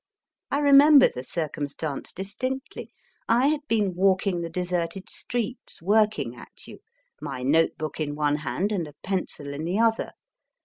I remember the circumstance ^h^ distinctly. I had been walk *^ ing the deserted streets, work ing at you ; my note book in one hand and a pencil in the other.